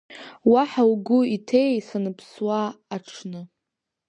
Уаҳа угәы иҭеи санԥсуа аҽны?